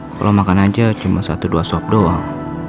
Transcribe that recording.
kalau makan aja cuma satu dua sop doang